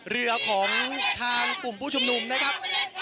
เรือของทางกลุ่มผู้ชุมนุมนะครับ